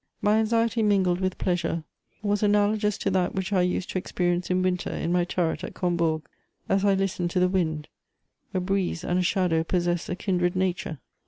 My anxiety mingled with pleasure was analogous to that which I used to experience in winter in my turret at Combourg, as I listened to the wind: a breeze and a shadow possess a kindred nature.